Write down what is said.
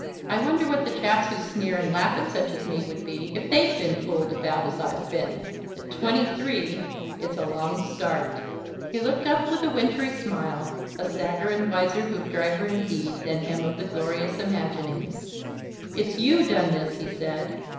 I wonder what the chaps who sneer and laugh at such as me would be if they'd been fooled about as I've been. At twenty three it's a long start." He looked up with a wintry smile, a sadder and wiser Hoopdriver indeed than him of the glorious imaginings. "It's YOU done this," he said.